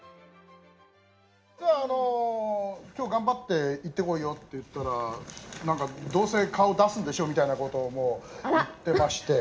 きょう、頑張って行ってこいよって言ったら、なんか、どうせ顔出すんでしょみたいなことをもう言ってまして。